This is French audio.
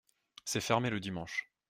C’est fermé le dimanche.